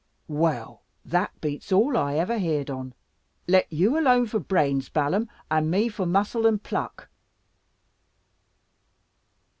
"Well, that beats all I ever heer'd on. Let you alone for brains, Balaam, and me for muscle and pluck!"